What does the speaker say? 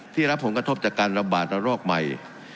รับผลกระทบจากการระบาดระรอกใหม่